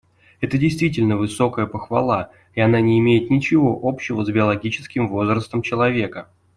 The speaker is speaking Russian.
Это действительно высокая похвала, и она не имеет ничего общего с биологическим возрастом человека.